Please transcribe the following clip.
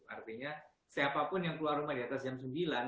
artinya siapapun yang keluar rumah di atas jam sembilan